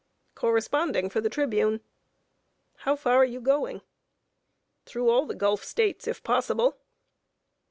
"Corresponding for The Tribune." "How far are you going?" "Through all the Gulf States, if possible."